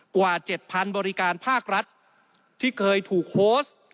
กว่า๗๐๐บริการภาครัฐที่เคยถูกโพสต์